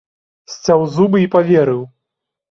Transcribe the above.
Сцяў зубы і паверыў.